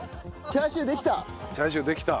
チャーシューできた。